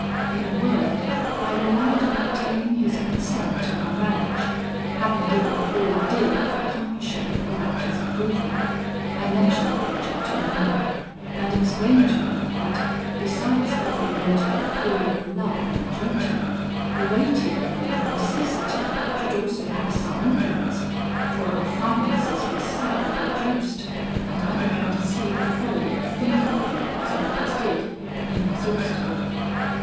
In a word, I relied on obtaining his consent to our marriage, having given up all idea of accomplishing it without his approval. I mentioned the project to Manon, and explained to her that, besides every motive of filial love and duty, the weightier one of necessity should also have some influence; for our finances were sadly reduced, and I began to see the folly of thinking them, as I once did, inexhaustible.